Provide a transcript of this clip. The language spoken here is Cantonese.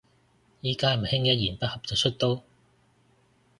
而家係咪興一言不合就出刀